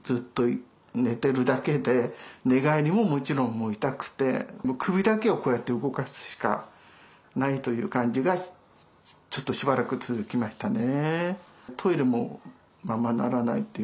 ところが痛みは日に日に増し首だけをこうやって動かすしかないという感じがちょっとしばらく続きましたね。